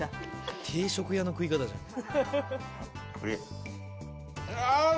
定食屋の食い方じゃん。